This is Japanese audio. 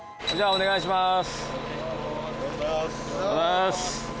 お願いします。